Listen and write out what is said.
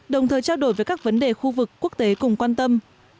đồng thời trao đổi về các vấn đề khu vực quốc tế cùng quan tâm